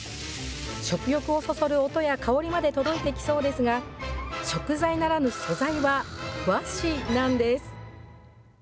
食欲をそそる音や香りまで届いてきそうですが、食材ならぬ素材は、和紙なんです。